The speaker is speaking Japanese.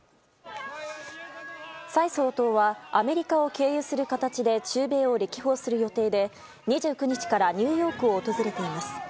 蔡総統はアメリカを経由する形で中米を歴訪する予定で２９日からニューヨークを訪れています。